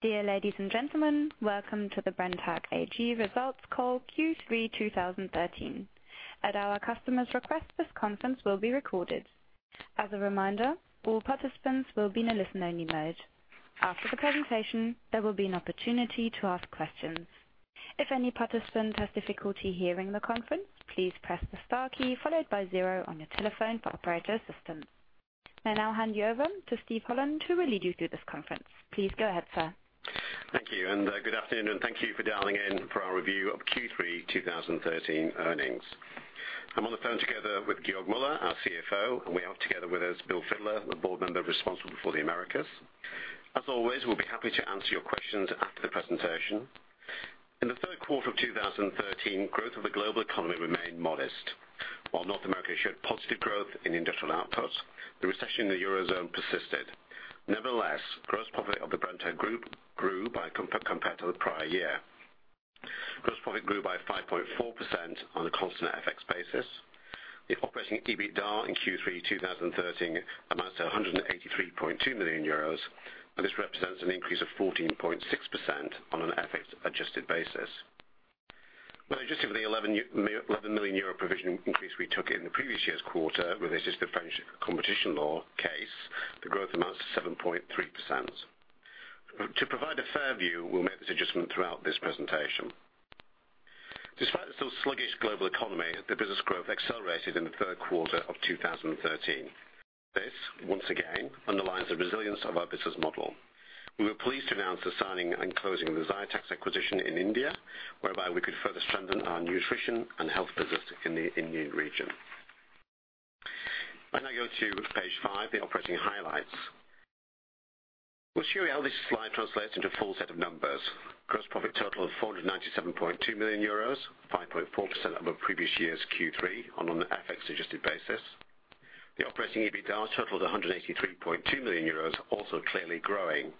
Dear ladies and gentlemen, welcome to the Brenntag AG results call Q3 2013. At our customers' request, this conference will be recorded. As a reminder, all participants will be in a listen-only mode. After the presentation, there will be an opportunity to ask questions. If any participant has difficulty hearing the conference, please press the star key followed by zero on your telephone for operator assistance. I now hand you over to Steven Holland to lead you through this conference. Please go ahead, sir. Thank you. Good afternoon, and thank you for dialing in for our review of Q3 2013 earnings. I'm on the phone together with Georg Müller, our CFO, and we have together with us William Fidler, the board member responsible for the Americas. As always, we'll be happy to answer your questions after the presentation. In the third quarter of 2013, growth of the global economy remained modest. While North America showed positive growth in industrial output, the recession in the Eurozone persisted. Nevertheless, gross profit of the Brenntag group grew compared to the prior year. Gross profit grew by 5.4% on a constant FX basis. The operating EBITDA in Q3 2013 amounts to €183.2 million, and this represents an increase of 14.6% on an FX-adjusted basis. When adjusting for the €11 million provision increase we took in the previous year's quarter, related to the French competition law case, the growth amounts to 7.3%. To provide a fair view, we'll make this adjustment throughout this presentation. Despite the still sluggish global economy, the business growth accelerated in the third quarter of 2013. This, once again, underlines the resilience of our business model. We were pleased to announce the signing and closing of the Zytex acquisition in India, whereby we could further strengthen our nutrition and health business in the Indian region. I now go to Page 5, the operating highlights. We'll show you how this slide translates into a full set of numbers. Gross profit total of €497.2 million, 5.4% above previous year's Q3 on an FX-adjusted basis. The operating EBITDA total is €183.2 million, also clearly growing.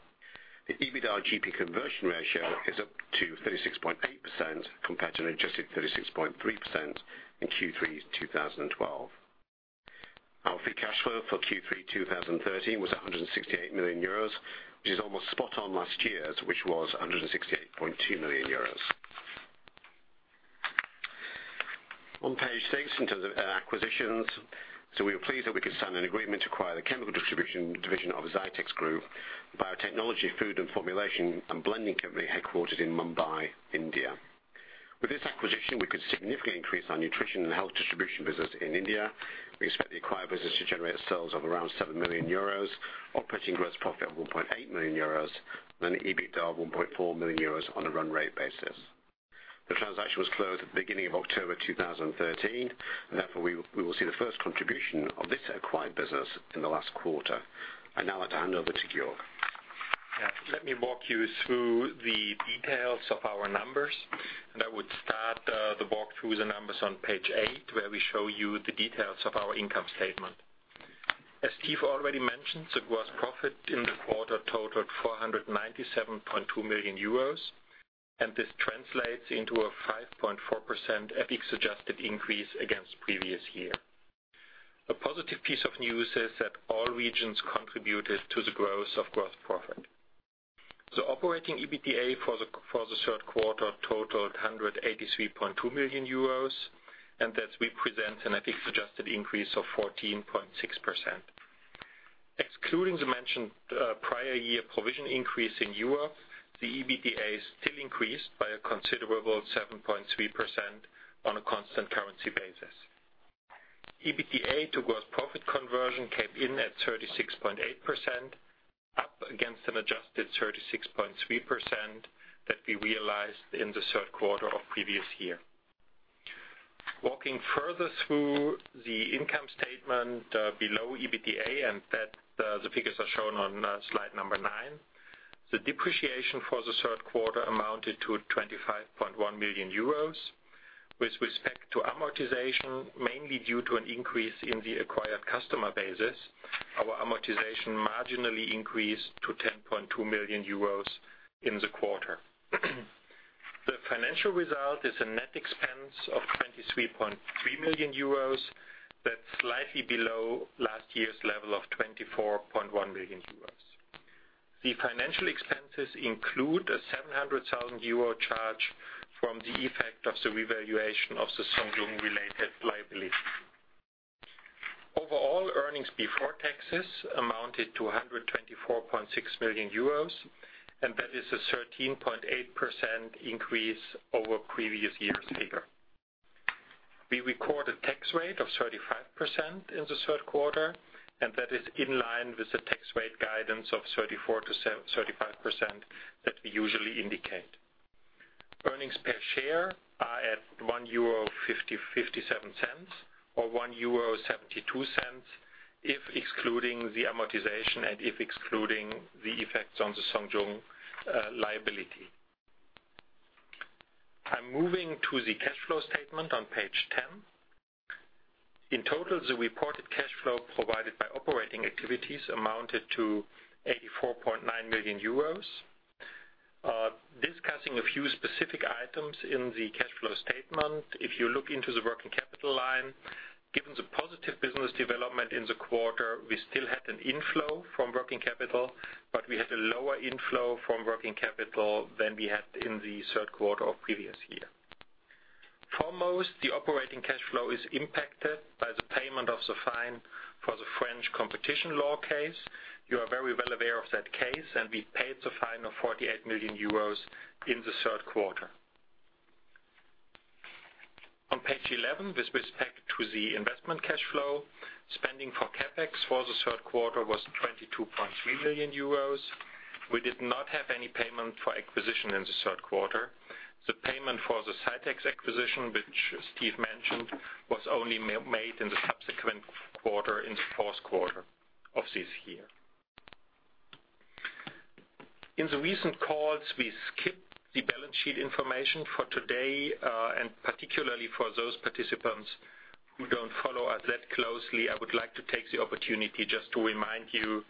The EBITDA GP conversion ratio is up to 36.8%, compared to an adjusted 36.3% in Q3 2012. Our free cash flow for Q3 2013 was €168 million, which is almost spot on last year's, which was €168.2 million. On Page 6, in terms of acquisitions. We were pleased that we could sign an agreement to acquire the chemical distribution division of Zytex Group, a biotechnology, food, and formulation and blending company headquartered in Mumbai, India. With this acquisition, we could significantly increase our nutrition and health distribution business in India. We expect the acquired business to generate sales of around €7 million, operating gross profit of €1.8 million, and an EBITDA of €1.4 million on a run rate basis. The transaction was closed at the beginning of October 2013, and therefore, we will see the first contribution of this acquired business in the last quarter. I'd now like to hand over to Georg. Let me walk you through the details of our numbers. I would start the walk through the numbers on Page 8, where we show you the details of our income statement. As Steve already mentioned, the gross profit in the quarter totaled 497.2 million euros, and this translates into a 5.4% FX-adjusted increase against the previous year. A positive piece of news is that all regions contributed to the growth of gross profit. Operating EBITDA for the third quarter totaled 183.2 million euros, and that represents an FX-adjusted increase of 14.6%. Excluding the mentioned prior year provision increase in Europe, the EBITDA still increased by a considerable 7.3% on a constant currency basis. EBITDA to gross profit conversion came in at 36.8%, up against an adjusted 36.3% that we realized in the third quarter of the previous year. Walking further through the income statement below EBITDA, the figures are shown on slide number nine. The depreciation for the third quarter amounted to 25.1 million euros. With respect to amortization, mainly due to an increase in the acquired customer bases, our amortization marginally increased to 10.2 million euros in the quarter. The financial result is a net expense of 23.3 million euros. That's slightly below last year's level of 24.1 million euros. The financial expenses include a 700,000 euro charge from the effect of the revaluation of the Songwon-related liability. Overall, earnings before taxes amounted to 124.6 million euros, and that is a 13.8% increase over the previous year's figure. We recorded a tax rate of 35% in the third quarter, and that is in line with the tax rate guidance of 34%-35% that we usually indicate. Earnings per share are at 1.57 euro or 1.72 euro if excluding the amortization and if excluding the effects on the Songwon liability. I'm moving to the cash flow statement on Page 10. In total, the reported cash flow provided by operating activities amounted to 84.9 million euros. Discussing a few specific items in the cash flow statement. If you look into the working capital line, given the positive business development in the quarter, we still had an inflow from working capital, we had a lower inflow from working capital than we had in the third quarter of previous year. Foremost, the operating cash flow is impacted by the payment of the fine for the French competition law case. You are very well aware of that case, we paid the fine of 48 million euros in the third quarter. On page 11, with respect to the investment cash flow, spending for CapEx for the third quarter was 22.3 million euros. We did not have any payment for acquisition in the third quarter. The payment for the Zytex acquisition, which Steve mentioned, was only made in the subsequent quarter, in the fourth quarter of this year. In the recent calls, we skipped the balance sheet information for today. Particularly for those participants who don't follow us that closely, I would like to take the opportunity just to remind you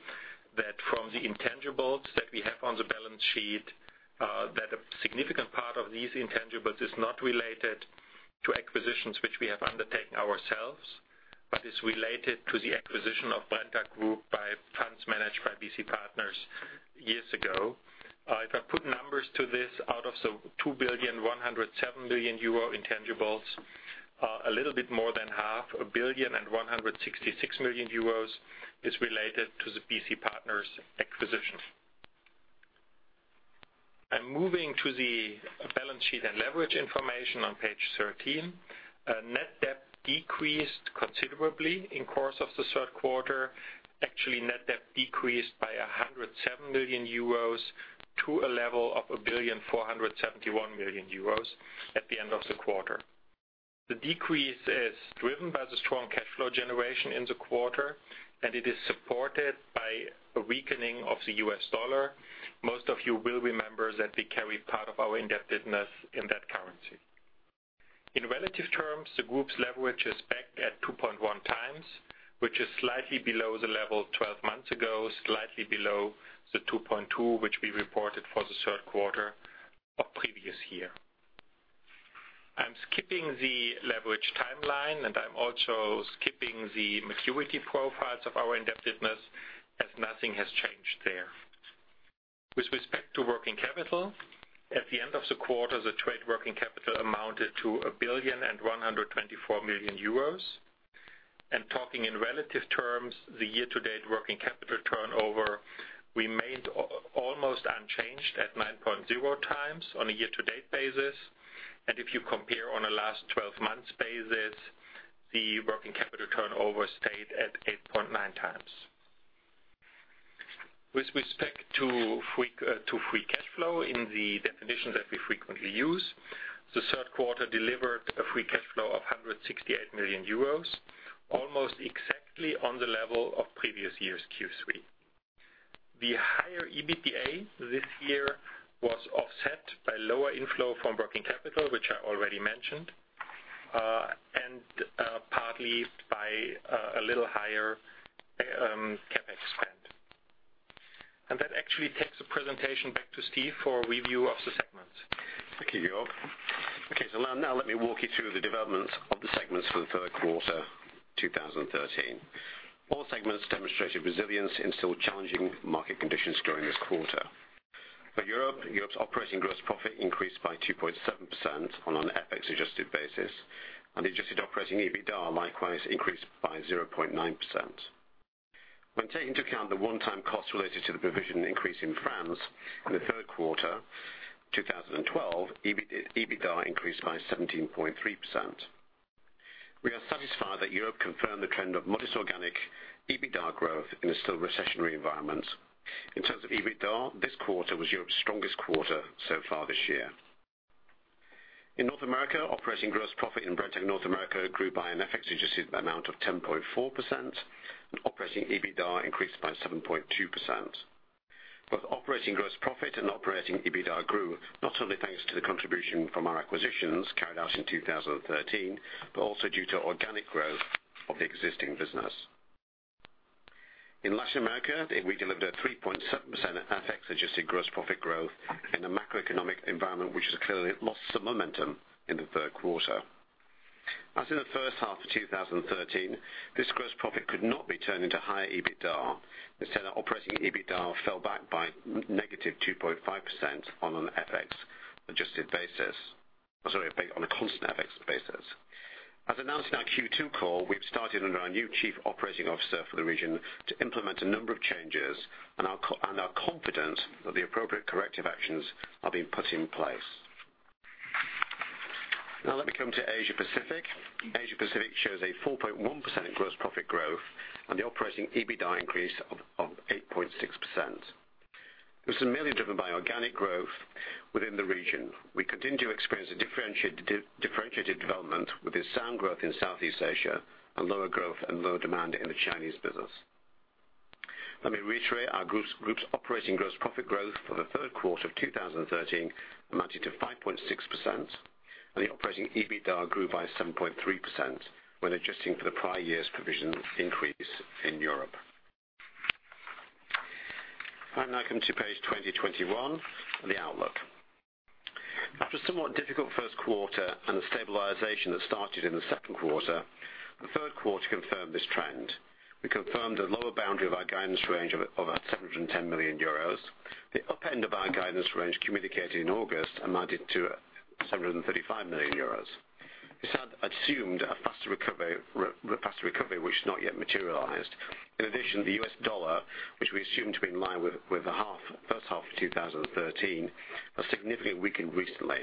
that from the intangibles that we have on the balance sheet, that a significant part of these intangibles is not related to acquisitions which we have undertaken ourselves, but is related to the acquisition of Brenntag Group by funds managed by BC Partners years ago. If I put numbers to this, out of the 2 billion, 107 billion euro intangibles, a little bit more than half, 1,166 million euros, is related to the BC Partners acquisition. Moving to the balance sheet and leverage information on page 13. Net debt decreased considerably in course of the third quarter. Actually, net debt decreased by 107 million euros to a level of 1,471 million euros at the end of the quarter. The decrease is driven by the strong cash flow generation in the quarter, and it is supported by a weakening of the U.S. dollar. Most of you will remember that we carry part of our indebtedness in that currency. In relative terms, the group's leverage is back at 2.1 times, which is slightly below the level 12 months ago, slightly below the 2.2, which we reported for the third quarter of previous year. I'm skipping the leverage timeline and I'm also skipping the maturity profiles of our indebtedness, as nothing has changed there. With respect to working capital, at the end of the quarter, the trade working capital amounted to 1,124 million euros. Talking in relative terms, the year-to-date working capital turnover remained almost unchanged at 9.0 times on a year-to-date basis. If you compare on a last 12 months basis, the working capital turnover stayed at 8.9 times. With respect to free cash flow in the definition that we frequently use, the third quarter delivered a free cash flow of 168 million euros, almost exactly on the level of previous year's Q3. The higher EBITDA this year was offset by lower inflow from working capital, which I already mentioned, and partly by a little higher CapEx spend. That actually takes the presentation back to Steve for a review of the segments. Thank you, Georg. Now let me walk you through the developments of the segments for the third quarter 2013. All segments demonstrated resilience in still challenging market conditions during this quarter. For Europe's operating gross profit increased by 2.7% on an FX adjusted basis, and the adjusted operating EBITDA likewise increased by 0.9%. When taking into account the one-time cost related to the provision increase in France in the third quarter 2012, EBITDA increased by 17.3%. We are satisfied that Europe confirmed the trend of modest organic EBITDA growth in a still recessionary environment. In terms of EBITDA, this quarter was Europe's strongest quarter so far this year. In North America, operating gross profit in Brenntag North America grew by an FX adjusted amount of 10.4%, and operating EBITDA increased by 7.2%. Both operating gross profit and operating EBITDA grew not only thanks to the contribution from our acquisitions carried out in 2013, but also due to organic growth of the existing business. In Latin America, we delivered a 3.7% FX adjusted gross profit growth in a macroeconomic environment, which has clearly lost some momentum in the third quarter. As in the first half of 2013, this gross profit could not be turned into higher EBITDA. Instead, operating EBITDA fell back by negative 2.5% on an FX adjusted basis. I am sorry, on a constant FX basis. As announced in our Q2 call, we have started under our new chief operating officer for the region to implement a number of changes, and are confident that the appropriate corrective actions are being put in place. Now let me come to Asia Pacific. Asia Pacific shows a 4.1% gross profit growth and the operating EBITDA increase of 8.6%. This is merely driven by organic growth within the region. We continue to experience a differentiated development with the sound growth in Southeast Asia and lower growth and low demand in the Chinese business. Let me reiterate our group's operating gross profit growth for the third quarter of 2013 amounted to 5.6%, and the operating EBITDA grew by 7.3% when adjusting for the prior year's provision increase in Europe. I now come to page 20 of 21, the outlook. After a somewhat difficult first quarter and the stabilization that started in the second quarter, the third quarter confirmed this trend. We confirmed a lower boundary of our guidance range of 710 million euros. The upend of our guidance range communicated in August amounted to 735 million euros. This had assumed a faster recovery, which has not yet materialized. In addition, the U.S. dollar, which we assume to be in line with the first half of 2013, has significantly weakened recently,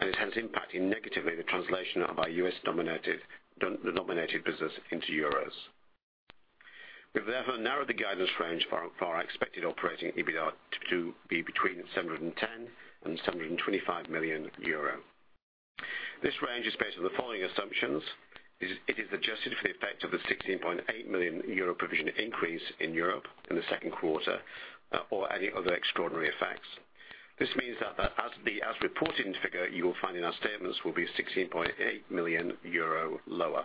and it has impacted negatively the translation of our U.S.-denominated business into euros. We have therefore narrowed the guidance range for our expected operating EBITDA to be between 710 million and 725 million euro. This range is based on the following assumptions. It is adjusted for the effect of the 16.8 million euro provision increase in Europe in the second quarter or any other extraordinary effects. This means that as the as-reported figure you will find in our statements will be 16.8 million euro lower.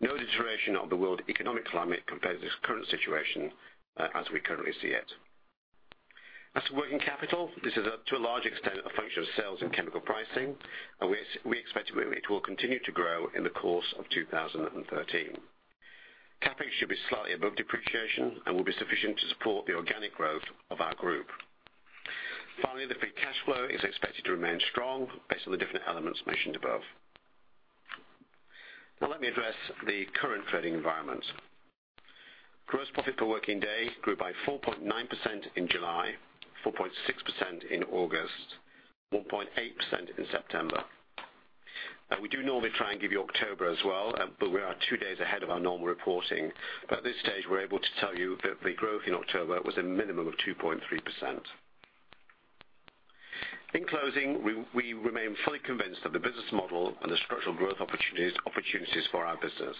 No deterioration of the world economic climate compares this current situation as we currently see it. As for working capital, this is up to a large extent a function of sales and chemical pricing, and we expect it will continue to grow in the course of 2013. CapEx should be slightly above depreciation and will be sufficient to support the organic growth of our group. Finally, the free cash flow is expected to remain strong based on the different elements mentioned above. Let me address the current trading environment. Gross profit per working day grew by 4.9% in July, 4.6% in August, 1.8% in September. We do normally try and give you October as well, but we are two days ahead of our normal reporting. At this stage, we're able to tell you that the growth in October was a minimum of 2.3%. In closing, we remain fully convinced of the business model and the structural growth opportunities for our business.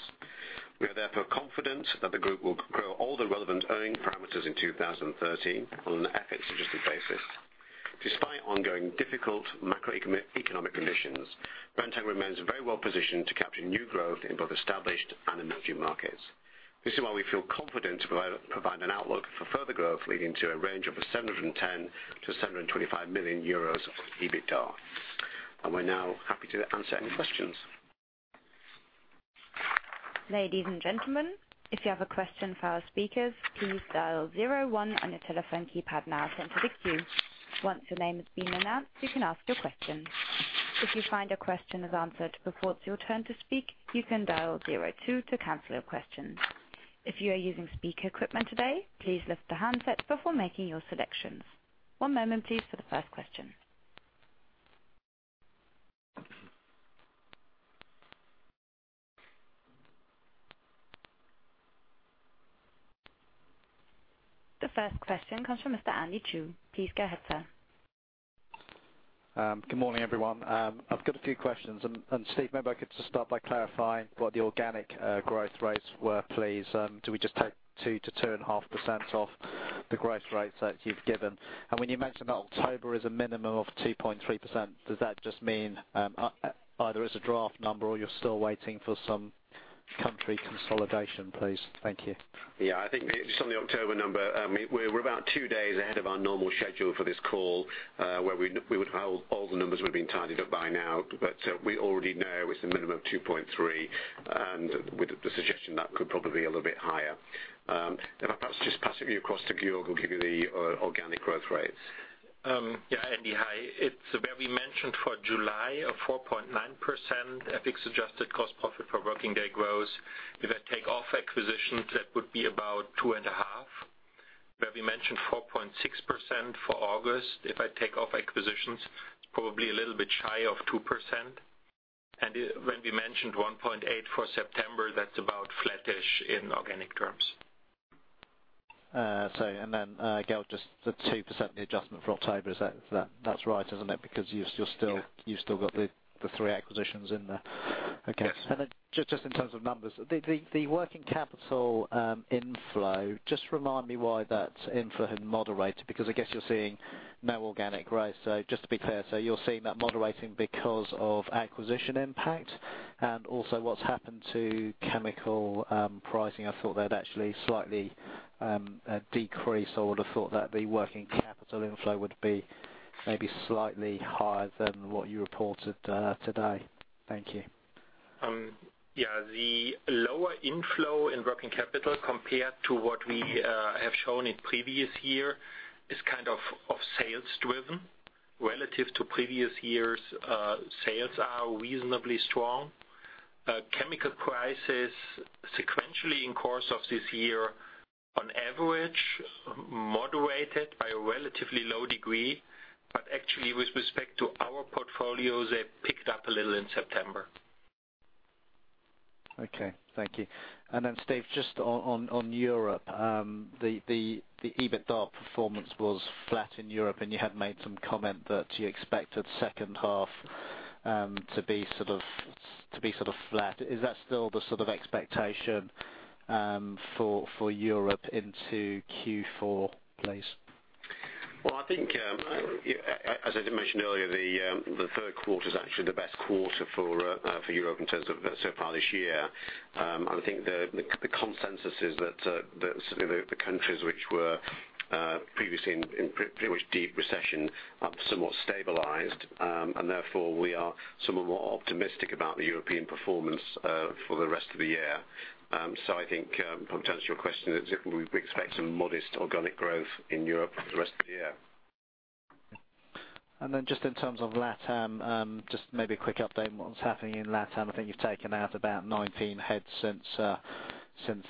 We are therefore confident that the group will grow all the relevant earning parameters in 2013 on an FX-adjusted basis. Despite ongoing difficult macroeconomic conditions, Brenntag remains very well positioned to capture new growth in both established and emerging markets. This is why we feel confident to provide an outlook for further growth, leading to a range of 710 million-725 million euros of EBITDA. We're now happy to answer any questions. Ladies and gentlemen, if you have a question for our speakers, please dial 01 on your telephone keypad now to enter the queue. Once your name has been announced, you can ask your question. If you find your question is answered before it's your turn to speak, you can dial 02 to cancel your question. If you are using speaker equipment today, please lift the handset before making your selections. One moment please for the first question. The first question comes from Mr. Andy Chu. Please go ahead, sir. Good morning, everyone. I've got a few questions, and Steve, maybe I could just start by clarifying what the organic growth rates were, please. Do we just take 2%-2.5% off the growth rates that you've given? When you mentioned that October is a minimum of 2.3%, does that just mean either it's a draft number or you're still waiting for some country consolidation, please? Thank you. I think just on the October number, we're about two days ahead of our normal schedule for this call, where we would have all the numbers would've been tidied up by now. We already know it's a minimum of 2.3, and with the suggestion that could probably be a little bit higher. If I perhaps just pass it you across to Georg who'll give you the organic growth rates. Andy, hi. It's where we mentioned for July a 4.9% FX-adjusted gross profit for working day growth. If I take off acquisitions, that would be about 2.5. Where we mentioned 4.6% for August, if I take off acquisitions, probably a little bit shy of 2%. When we mentioned 1.8 for September, that's about flattish in organic terms. Georg, just the 2% adjustment for October, that's right, isn't it? Because you've still got the three acquisitions in there. Yes. Okay. Just in terms of numbers, the working capital inflow, just remind me why that inflow had moderated, because I guess you're seeing no organic growth. Just to be clear, you're seeing that moderating because of acquisition impact and also what's happened to chemical pricing. I thought they'd actually slightly decrease. I would've thought that the working capital inflow would be maybe slightly higher than what you reported today. Thank you. Yeah, the lower inflow in working capital compared to what we have shown in previous year is sales driven. Relative to previous years, sales are reasonably strong. Chemical prices sequentially in course of this year, on average, moderated by a relatively low degree, but actually with respect to our portfolios, they picked up a little in September. Okay. Thank you. Steve, just on Europe. The EBITDA performance was flat in Europe, and you had made some comment that you expected second half to be flat. Is that still the expectation for Europe into Q4, please? Well, I think, as I mentioned earlier, the third quarter is actually the best quarter for Europe so far this year. I think the consensus is that the countries which were previously in pretty much deep recession are somewhat stabilized, and therefore we are somewhat more optimistic about the European performance for the rest of the year. I think to answer your question, we expect some modest organic growth in Europe for the rest of the year. Just in terms of LatAm, just maybe a quick update on what's happening in LatAm. I think you've taken out about 19 heads since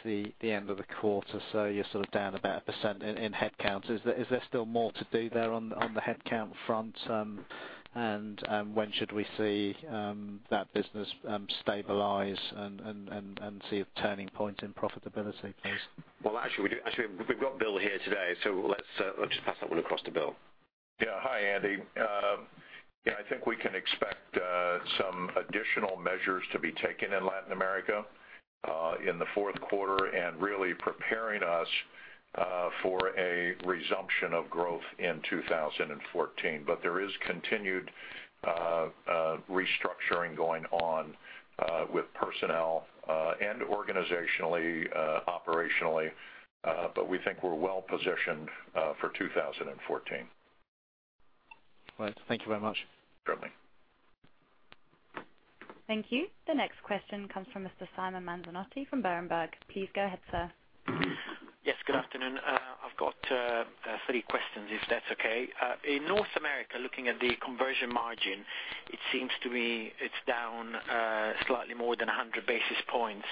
the end of the quarter, so you're sort of down about 1% in headcounts. Is there still more to do there on the headcount front? When should we see that business stabilize and see a turning point in profitability, please? Well, actually, we've got Bill here today, let's just pass that one across to Bill. Hi, Andy. I think we can expect some additional measures to be taken in Latin America in the fourth quarter and really preparing us for a resumption of growth in 2014. There is continued restructuring going on with personnel and organizationally, operationally. We think we're well-positioned for 2014. Right. Thank you very much. Certainly. Thank you. The next question comes from Mr. Simon Mandinotti from Berenberg. Please go ahead, sir. Yes, good afternoon. I've got three questions, if that's okay. In North America, looking at the conversion margin, it seems to me it's down slightly more than 100 basis points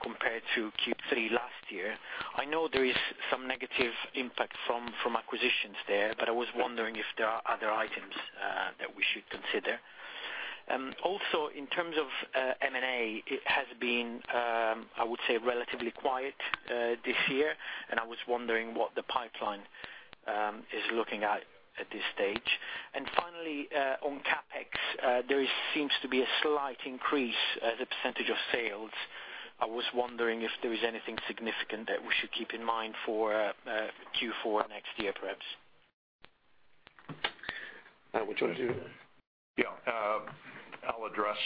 compared to Q3 last year. I know there is some negative impact from acquisitions there, but I was wondering if there are other items that we should consider. In terms of M&A, it has been, I would say, relatively quiet this year, and I was wondering what the pipeline is looking at at this stage. Finally, on CapEx, there seems to be a slight increase as a percentage of sales. I was wondering if there is anything significant that we should keep in mind for Q4 next year, perhaps. Would you want to do that? Yeah. I'll address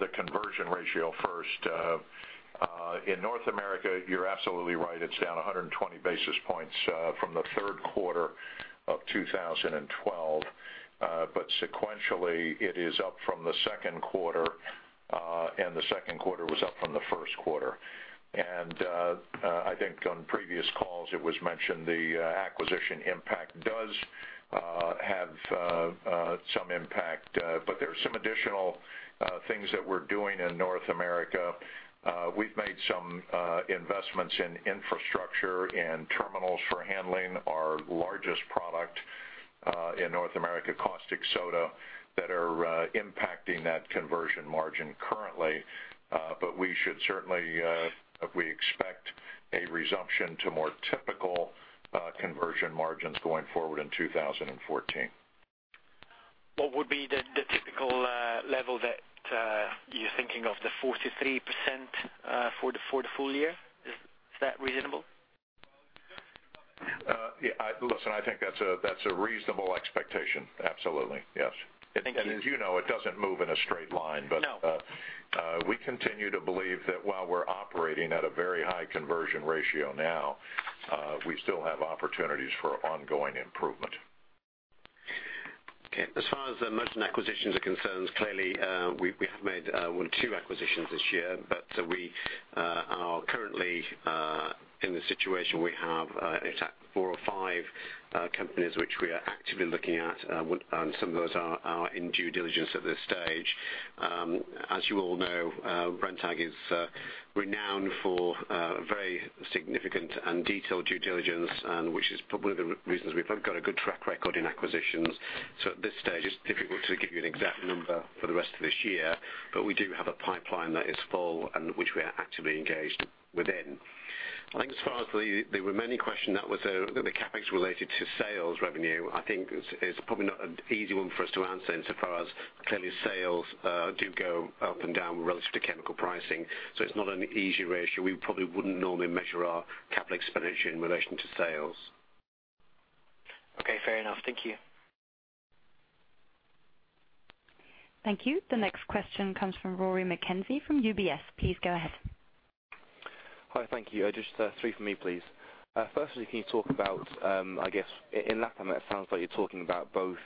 the conversion ratio first. In North America, you're absolutely right. It's down 120 basis points from the third quarter of 2012. Sequentially, it is up from the second quarter, and the second quarter was up from the first quarter. I think on previous calls, it was mentioned the acquisition impact does have some impact. There are some additional things that we're doing in North America. We've made some investments in infrastructure and terminals for handling our largest product in North America, caustic soda, that are impacting that conversion margin currently. We expect a resumption to more typical conversion margins going forward in 2014. What would be the typical level that you're thinking of, the 43% for the full year? Is that reasonable? Listen, I think that's a reasonable expectation. Absolutely. Yes. Thank you. As you know, it doesn't move in a straight line. No We continue to believe that while we're operating at a very high conversion ratio now, we still have opportunities for ongoing improvement. Okay. As far as the merger and acquisitions are concerned, clearly, we have made, well, two acquisitions this year, but we are currently in the situation we have, in fact, four or five companies which we are actively looking at, and some of those are in due diligence at this stage. As you all know, Brenntag is renowned for very significant and detailed due diligence, and which is probably one of the reasons we've got a good track record in acquisitions. At this stage, it's difficult to give you an exact number for the rest of this year, but we do have a pipeline that is full and which we are actively engaged within. I think as far as the remaining question that was the CapEx related to sales revenue, I think it's probably not an easy one for us to answer in so far as clearly sales do go up and down relative to chemical pricing. It's not an easy ratio. We probably wouldn't normally measure our capital expenditure in relation to sales. Okay. Fair enough. Thank you. Thank you. The next question comes from Rory Mackenzie from UBS. Please go ahead. Hi. Thank you. Just three from me, please. Firstly, can you talk about, I guess in LatAm, it sounds like you're talking about both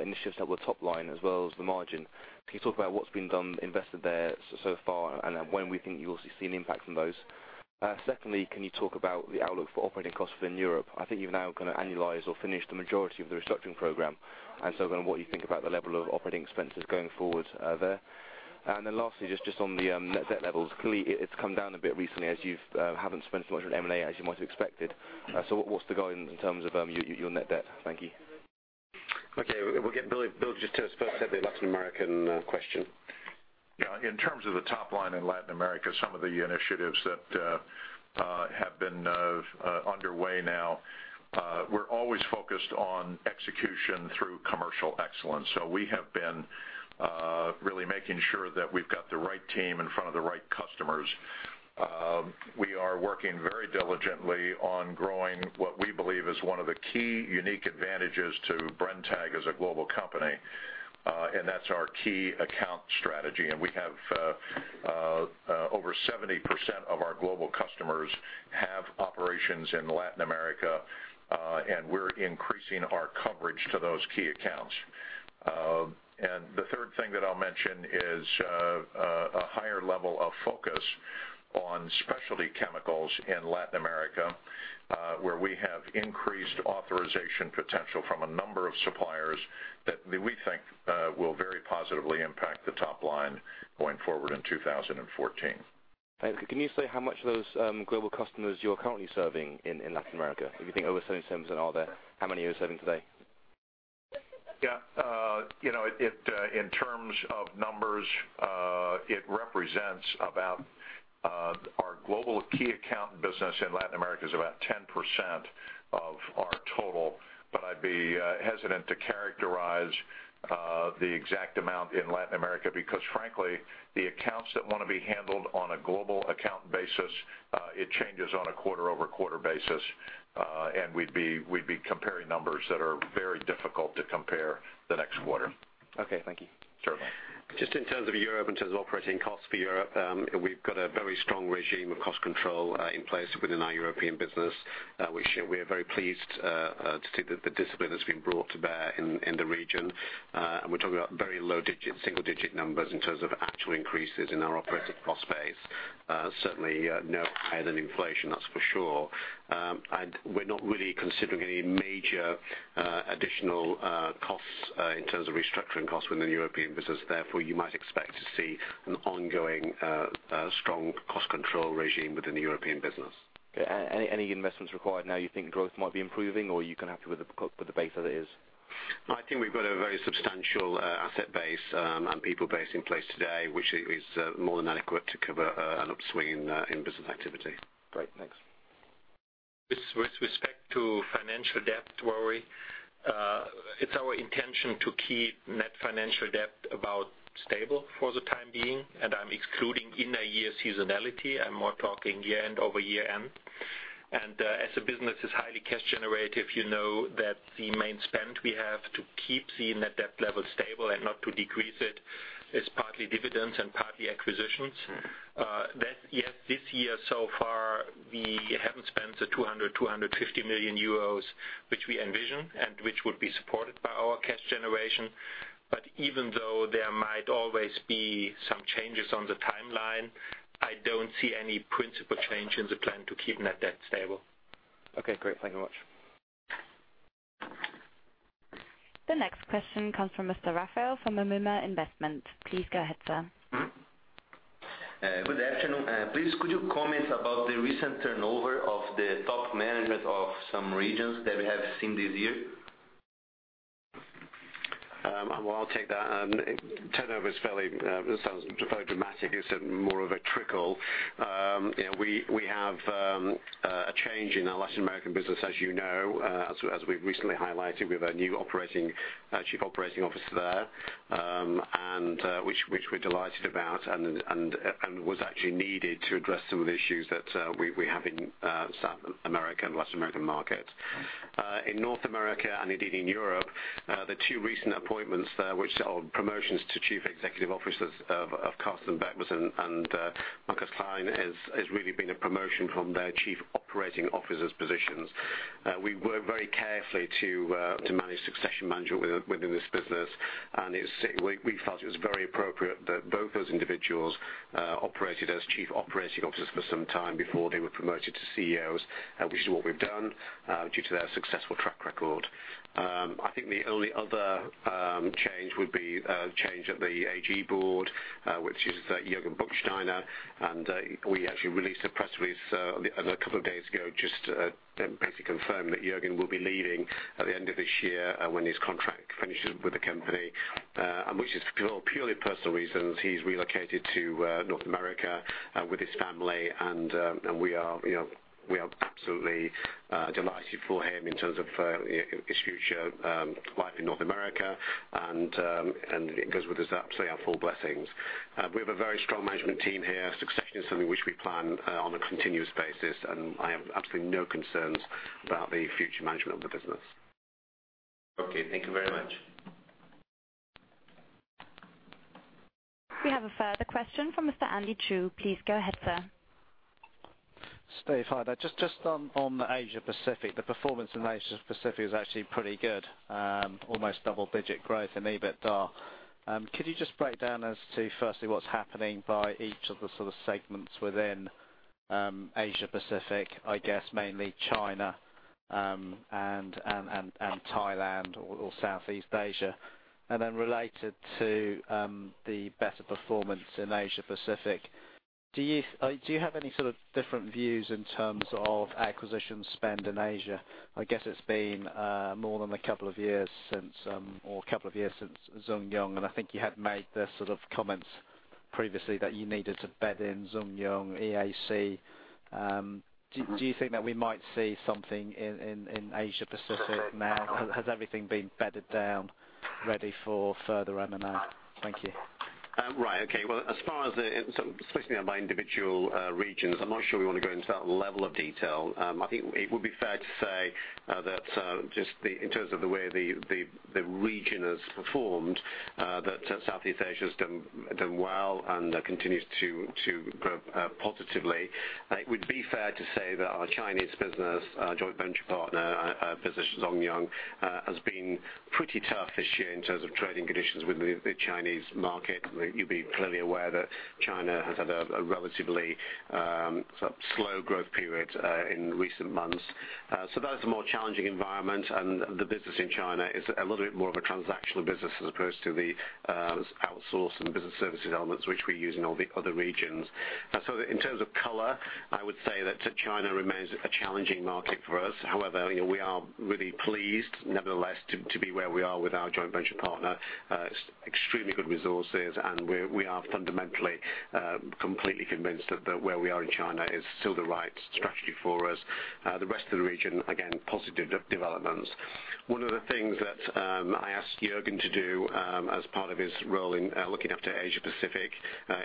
initiatives at the top line as well as the margin. Can you talk about what's been done, invested there so far, and when we think you will see an impact from those? Secondly, can you talk about the outlook for operating costs within Europe? I think you've now kind of annualized or finished the majority of the restructuring program. What you think about the level of operating expenses going forward there? Lastly, just on the net debt levels. Clearly, it's come down a bit recently as you haven't spent as much on M&A as you might have expected. What's the goal in terms of your net debt? Thank you. Okay. We'll get Bill just to first have the Latin American question. Yeah. In terms of the top line in Latin America, some of the initiatives that have been underway now, we're always focused on execution through. commercial excellence. We have been really making sure that we've got the right team in front of the right customers. We are working very diligently on growing what we believe is one of the key unique advantages to Brenntag as a global company, and that's our key account strategy. We have over 70% of our global customers have operations in Latin America, and we're increasing our coverage to those key accounts. The third thing that I'll mention is a higher level of focus on specialty chemicals in Latin America, where we have increased authorization potential from a number of suppliers that we think will very positively impact the top line going forward in 2014. Thanks. Can you say how much of those global customers you're currently serving in Latin America? If you think over 70% are there, how many are you serving today? Yeah. In terms of numbers, our global key account business in Latin America is about 10% of our total. I'd be hesitant to characterize the exact amount in Latin America, because frankly, the accounts that want to be handled on a global account basis, it changes on a quarter-over-quarter basis. We'd be comparing numbers that are very difficult to compare the next quarter. Okay. Thank you. Sure. Just in terms of Europe, in terms of operating costs for Europe, we've got a very strong regime of cost control in place within our European business. We are very pleased to take the discipline that's been brought to bear in the region. We're talking about very low digits, single-digit numbers in terms of actual increases in our operating cost base. Certainly, no higher than inflation, that's for sure. We're not really considering any major additional costs in terms of restructuring costs within the European business. You might expect to see an ongoing, strong cost control regime within the European business. Okay. Any investments required now you think growth might be improving, or are you content with the base as it is? I think we've got a very substantial asset base and people base in place today, which is more than adequate to cover an upswing in business activity. Great. Thanks. With respect to financial debt Rory, it's our intention to keep net financial debt about stable for the time being, and I'm excluding in a year seasonality. I'm more talking year-end-over-year-end. As the business is highly cash generative, you know that the main spend we have to keep seeing that debt level stable and not to decrease it is partly dividends and partly acquisitions. This year so far, we haven't spent the 200 million, 250 million euros, which we envision and which would be supported by our cash generation. Even though there might always be some changes on the timeline, I don't see any principal change in the plan to keep net debt stable. Okay, great. Thank you much. The next question comes from Mr. Raphael from OMMA Investment. Please go ahead, sir. Good afternoon. Please, could you comment about the recent turnover of the top management of some regions that we have seen this year? Well, I'll take that. Turnover sounds very dramatic. It's more of a trickle. We have a change in our Latin American business, as you know, as we've recently highlighted, we have a new Chief Operating Officer there, which we're delighted about, and was actually needed to address some of the issues that we have in South America and Latin American markets. In North America and indeed in Europe, the two recent appointments there, which are promotions to Chief Executive Officers of Karsten Beckmann and Markus Klähn, has really been a promotion from their Chief Operating Officers positions. We work very carefully to manage succession management within this business, and we felt it was very appropriate that both those individuals operated as Chief Operating Officers for some time before they were promoted to CEOs, which is what we've done, due to their successful track record. I think the only other change would be a change at the AG board, which is Jürgen Buchsteiner. We actually released a press release a couple of days ago, just basically confirmed that Jürgen will be leaving at the end of this year when his contract finishes with the company, which is for purely personal reasons. He's relocated to North America with his family, and we are absolutely delighted for him in terms of his future life in North America, and he goes with our full blessings. We have a very strong management team here. Succession is something which we plan on a continuous basis, and I have absolutely no concerns about the future management of the business. Okay. Thank you very much. We have a further question from Mr. Andy Chu. Please go ahead, sir. Steve, hi there. Just on the Asia-Pacific, the performance in Asia-Pacific is actually pretty good. Almost double-digit growth in EBITDA. Could you just break down as to, firstly, what's happening by each of the sort of segments within Asia-Pacific, I guess mainly China and Thailand or Southeast Asia? Related to the better performance in Asia-Pacific, do you have any sort of different views in terms of acquisition spend in Asia? I guess it's been more than a couple of years since Zhong Yung, and I think you had made the sort of comments previously that you needed to bed in Zhong Yung EAC. Do you think that we might see something in Asia Pacific now? Has everything been bedded down, ready for further M&A? Thank you. Right. Okay. As far as splitting it by individual regions, I'm not sure we want to go into that level of detail. I think it would be fair to say that just in terms of the way the region has performed, that Southeast Asia has done well and continues to grow positively. It would be fair to say that our Chinese business joint venture partner, Zhong Yung, has been pretty tough this year in terms of trading conditions with the Chinese market. You'd be clearly aware that China has had a relatively slow growth period in recent months. That is a more challenging environment, and the business in China is a little bit more of a transactional business as opposed to the outsource and business services elements, which we use in all the other regions. In terms of color, I would say that China remains a challenging market for us. However, we are really pleased, nevertheless, to be where we are with our joint venture partner. Extremely good resources, and we are fundamentally, completely convinced that where we are in China is still the right strategy for us. The rest of the region, again, positive developments. One of the things that I asked Jürgen to do as part of his role in looking after Asia Pacific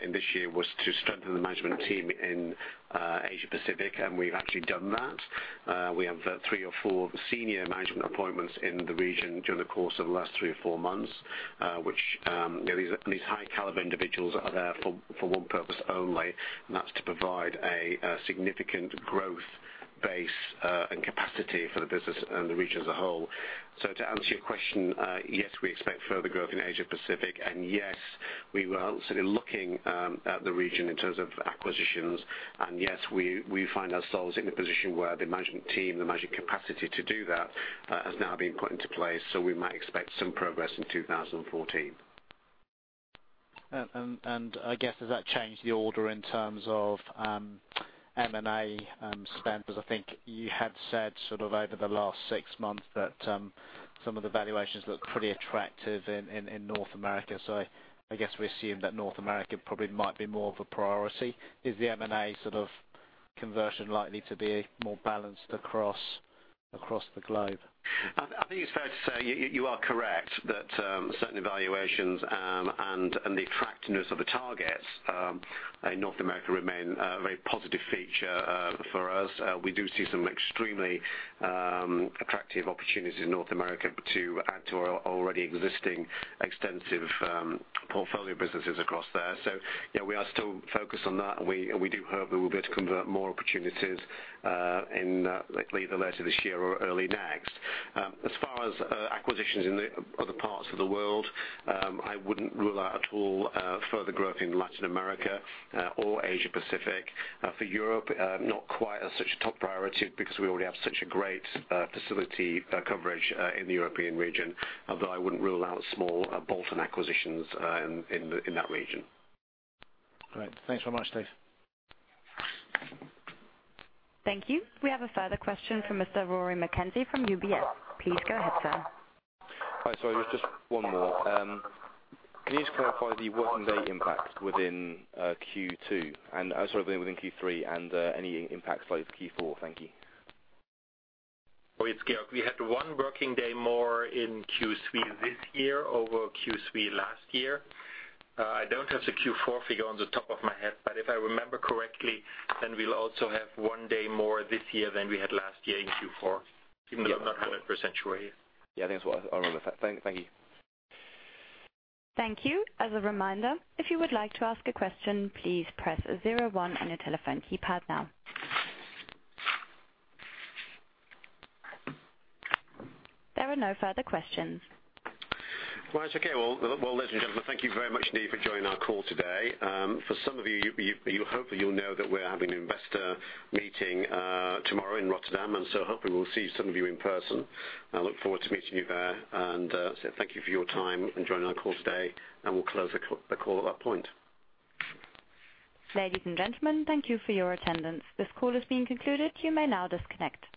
in this year was to strengthen the management team in Asia Pacific, and we've actually done that. We have three or four senior management appointments in the region during the course of the last three or four months. These high-caliber individuals are there for one purpose only, and that's to provide a significant growth base and capacity for the business and the region as a whole. To answer your question, yes, we expect further growth in Asia Pacific, and yes, we are also looking at the region in terms of acquisitions, and yes, we find ourselves in a position where the management team, the management capacity to do that has now been put into place, we might expect some progress in 2014. I guess, has that changed the order in terms of M&A spend? Because I think you had said sort of over the last six months that some of the valuations look pretty attractive in North America. I guess we assume that North America probably might be more of a priority. Is the M&A sort of conversion likely to be more balanced across the globe? I think it's fair to say you are correct that certain valuations and the attractiveness of the targets in North America remain a very positive feature for us. We do see some extremely attractive opportunities in North America to add to our already existing extensive portfolio businesses across there. We are still focused on that, and we do hope that we will be able to convert more opportunities in either later this year or early next. As far as acquisitions in the other parts of the world, I wouldn't rule out at all further growth in Latin America or Asia Pacific. For Europe, not quite as such a top priority because we already have such a great facility coverage in the European region. Although I wouldn't rule out small bolt-on acquisitions in that region. All right. Thanks very much, Steve. Thank you. We have a further question from Mr. Rory Mackenzie from UBS. Please go ahead, sir. Hi. Sorry, just one more. Can you just clarify the working day impact within Q3 and any impacts like Q4? Thank you. It's Georg. We had one working day more in Q3 this year over Q3 last year. I don't have the Q4 figure on the top of my head, but if I remember correctly, then we'll also have one day more this year than we had last year in Q4. Even though I'm not 100% sure here. Yeah, I think that's what I remember. Thank you. Thank you. As a reminder, if you would like to ask a question, please press 01 on your telephone keypad now. There are no further questions. Well, that's okay. Well, ladies and gentlemen, thank you very much indeed for joining our call today. For some of you, hopefully, you'll know that we're having an investor meeting tomorrow in Rotterdam, and so hopefully we'll see some of you in person. I look forward to meeting you there. Thank you for your time in joining our call today, and we'll close the call at that point. Ladies and gentlemen, thank you for your attendance. This call has been concluded. You may now disconnect.